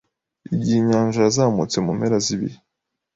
Igihe inyanja yazamutse mu mpera z’ibihe